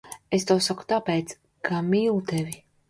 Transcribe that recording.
Es to saku tāpēc, ka mīlu tevi.